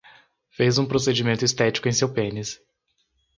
Fez um procedimento estético em seu pênis